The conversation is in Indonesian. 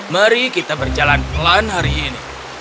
mari kita berjalan pelan hari ini